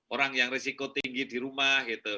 orang yang risiko tinggi di rumah gitu